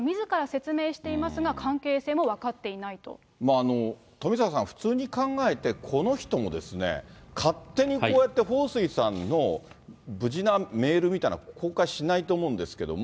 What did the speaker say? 彭帥さんの友人だとみずから説明していますが、関係性も分かって富坂さん、普通に考えて、この人もですね、勝手にこうやって彭帥さんの無事なメールみたいなのは公開しないと思うんですけども。